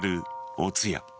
お通夜。